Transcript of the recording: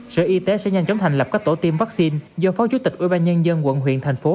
sở y tế sẽ nhanh chóng thành lập các tổ tiêm vaccine do phó chủ tịch ubnd quận huyện thành phố